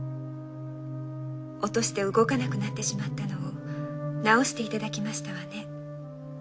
落として動かなくなってしまったのを直していただきましたわね。